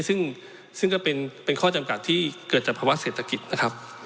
ซึ่งก็เป็นข้อจำกัดที่เกิดจากภาวะเศรษฐกิจนะครับ